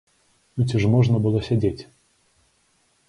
Ну, ці ж можна было сядзець?